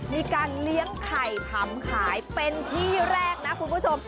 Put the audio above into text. มีการเลี้ยงไข่ผำขายเป็นที่แรกนะคุณผู้ชม